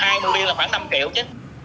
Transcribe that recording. hai mua viên là khoảng năm triệu chứ